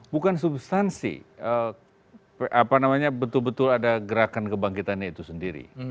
bukan substansi apa namanya betul betul ada gerakan kebangkitan itu sendiri